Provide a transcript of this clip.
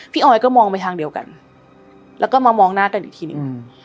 ออยก็มองไปทางเดียวกันแล้วก็มามองหน้ากันอีกทีหนึ่ง